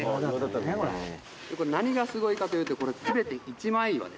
何がすごいかというとこれ全て一枚岩ですね。